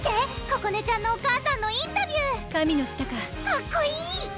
ここねちゃんのお母さんのインタビュー「神の舌」かかっこいい！